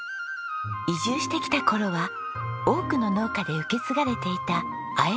移住してきた頃は多くの農家で受け継がれていた「あえのこと」。